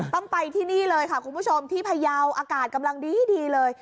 ต้องไปที่นี่เลยค่ะคุณผู้ชมที่พยาวอากาศกำลังดีเลย